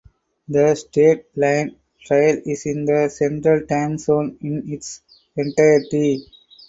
The State Line Trail is in the Central Time Zone in its entirety.